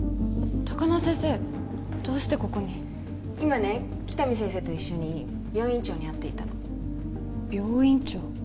高輪先生どうしてここに今ね喜多見先生と一緒に病院長に会っていたの病院長？